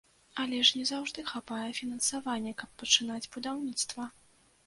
Але ж не заўжды хапае фінансавання, каб пачынаць будаўніцтва.